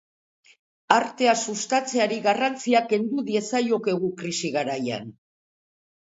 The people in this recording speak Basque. Artea sustatzeari garrantzia kendu diezaiokegu krisi garaian?